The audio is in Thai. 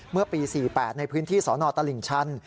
เมื่อปี๔๘ในพื้นที่สนตลิ่งชัน